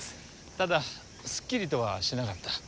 ただすっきりとはしなかった。